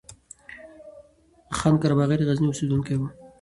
خان قرباغی د غزني اوسيدونکی وو